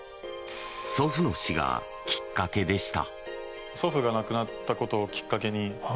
祖父の死がきっかけでした。